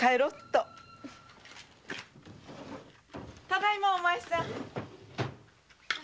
ただいまお前さん。